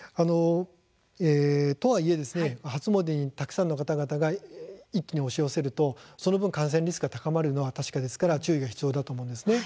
とはいえ初詣にたくさんの方々が一気に押し寄せるとその分、感染リスクが高まるのは確かですから注意が必要です。